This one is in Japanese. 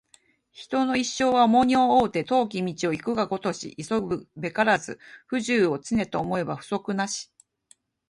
人の一生は重荷を負うて、遠き道を行くがごとし急ぐべからず不自由を、常と思えば不足なし